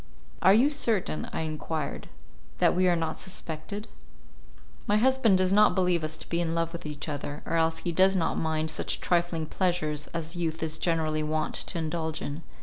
"Are you certain," I enquired, "that we are not suspected?" "My husband does not believe us to be in love with each other, or else he does not mind such trifling pleasures as youth is generally wont to indulge in.